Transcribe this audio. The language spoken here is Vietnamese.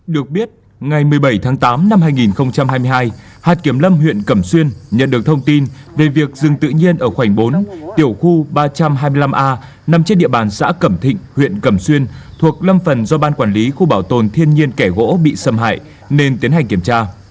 được biết ngày một mươi bảy tháng tám năm hai nghìn hai mươi hai hạt kiểm lâm huyện cẩm xuyên nhận được thông tin về việc rừng tự nhiên ở khoảnh bốn tiểu khu ba trăm hai mươi năm a nằm trên địa bàn xã cẩm thịnh huyện cẩm xuyên thuộc lâm phần do ban quản lý khu bảo tồn thiên nhiên kẻ gỗ bị xâm hại nên tiến hành kiểm tra